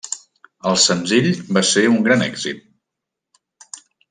El senzill va ser un gran èxit.